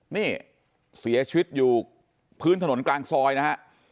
นี่เสียชีวิตอยู่พื้นถนนกลางซอยนะฮะ